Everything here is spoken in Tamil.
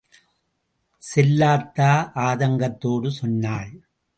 செல்லாத்தா ஆதங்கத்தோடு சொன்னாள்.